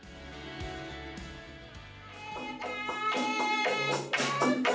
setelah makan saya diberikan makanan yang terbaik dari pasar kaki langit